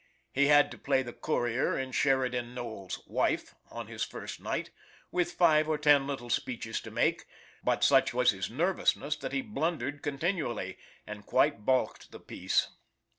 He had to play the Courier in Sheridan Knowles's "Wife" on his first night, with five or ten little speeches to make; but such was his nervousness that he blundered continually, and quite balked the piece.